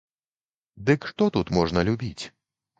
Дык што тут можна любіць?